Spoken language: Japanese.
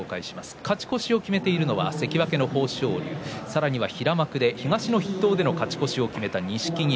勝ち越しを決めているのは関脇の豊昇龍平幕で東の筆頭での勝ち越しを決めた錦木。